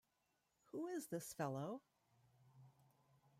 Who is this fellow?